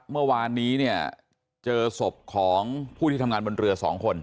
เมื่อวานนี้เนี่ยเจอศพของผู้ที่ทำงานบนเรือ๒คน